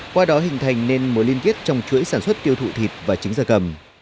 qua đó hình thành nên mối liên kết trong chuỗi sản xuất tiêu thụ thịt và trứng da cầm